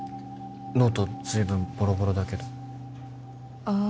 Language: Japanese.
ノート随分ボロボロだけどああ